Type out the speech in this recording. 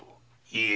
いいえ。